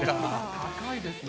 高いですね。